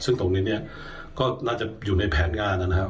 ซึ่งตรงนี้เนี่ยก็น่าจะอยู่ในแผนงานนะครับ